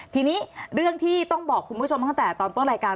ทีนี้เรื่องที่ต้องบอกคุณผู้ชมตั้งแต่ตอนต้นรายการ